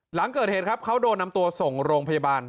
หลังเกิดเหตุครับเขาโดนนำตัวส่งโรงพยาบาล